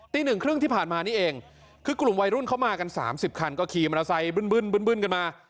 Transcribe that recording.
ตี๑เครื่องที่ผ่านมานี้เองคือกลุ่มวัยรุ่นเข้ามากัน๓๐ครั้งก็ขี่มะระไซส์บึ้นกันมา